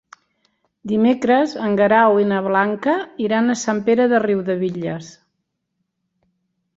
Dimecres en Guerau i na Blanca iran a Sant Pere de Riudebitlles.